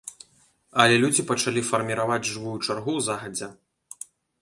Але людзі пачалі фарміраваць жывую чаргу загадзя.